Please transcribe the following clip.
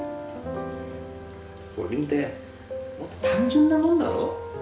不倫ってもっと単純なもんだろ？